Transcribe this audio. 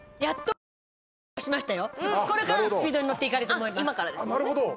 これからスピードに乗っていけると思います。